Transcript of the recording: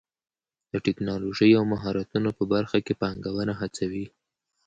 د ټکنالوژۍ او مهارتونو په برخه کې پانګونه هڅوي.